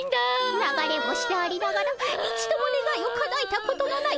流れ星でありながら一度もねがいをかなえたことのないかなえさま。